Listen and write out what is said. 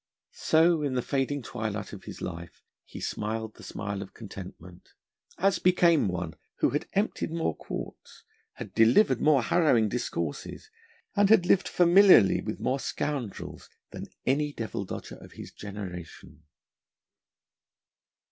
So, in the fading twilight of life, he smiled the smile of contentment, as became one who had emptied more quarts, had delivered more harrowing discourses, and had lived familiarly with more scoundrels than any devil dodger of his generation.